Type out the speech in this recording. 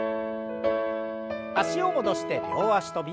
脚を戻して両脚跳び。